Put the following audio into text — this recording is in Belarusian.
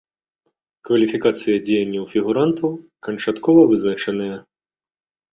Кваліфікацыя дзеянняў фігурантаў канчаткова вызначаная.